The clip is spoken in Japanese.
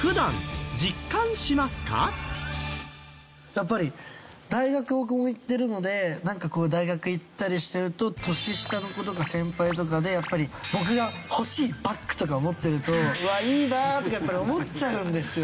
やっぱり大学僕も行ってるのでなんか大学行ったりしてると年下の子とか先輩とかでやっぱり僕が欲しいバッグとかを持ってるとうわいいなあってやっぱり思っちゃうんですよね。